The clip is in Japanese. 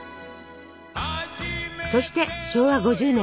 そして昭和５０年。